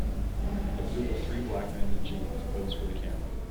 A group of three black men in jeans pose for the camera.